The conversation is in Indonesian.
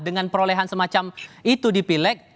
dengan perolehan semacam itu di pileg